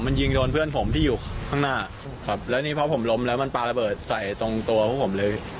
มันยิงโดนเพื่อนผมที่อยู่ข้างหน้าครับแล้วนี่พอผมล้มแล้วมันปลาระเบิดใส่ตรงตัวพวกผมเลย